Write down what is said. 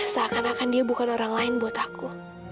seakan akan dia bukan orang lain buat aku